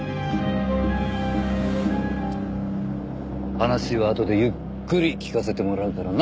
話はあとでゆっくり聞かせてもらうからな。